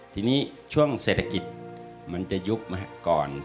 ทีนี้ช่วงเศรษฐกิจมันจะยุบไหมก่อน